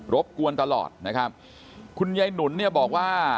บกวนตลอดนะครับคุณยายหนุนเนี่ยบอกว่า